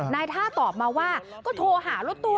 นายท่าตอบมาว่าก็โทรหารถตู้